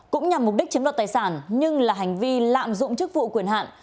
cũng nhằm mục đích chiếm đoạt tài sản nhưng là hành vi lạm dụng chức vụ quyền hạn